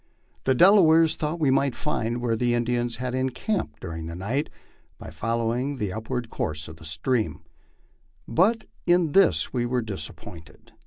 The Delawarea thought we might find where the Indians had encamped during the night, by following the upward course of the stream, but in this we were disappointed.